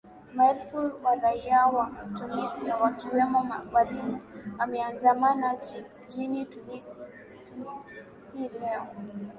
maelfu wa raia wa tunisia wakiwemo walimu wameandamana jijini tunis hii leo